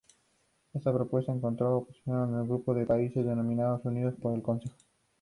Esta propuesta encontró oposición en un grupo de países denominado Unidos por el Consenso.